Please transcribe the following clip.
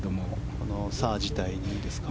このサー自体にですか。